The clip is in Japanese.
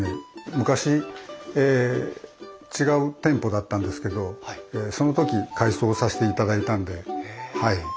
昔違う店舗だったんですけどその時改装させていただいたんではい。